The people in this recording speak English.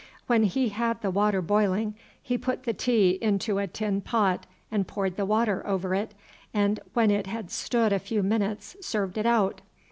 When he had the water boiling, he put the tea into a tin pot and poured the water over it, and when it had stood a few minutes served it out.